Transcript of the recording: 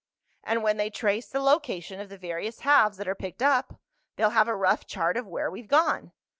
"And when they trace the location of the various halves that are picked up, they'll have a rough chart of where we've gone.